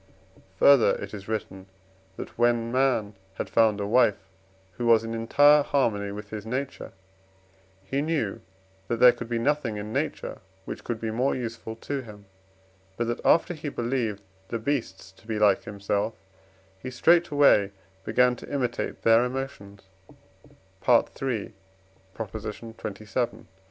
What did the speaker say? Further, it is written that when man had found a wife, who was in entire harmony with his nature, he knew that there could be nothing in nature which could be more useful to him; but that after he believed the beasts to be like himself, he straightway began to imitate their emotions (III. xxvii.)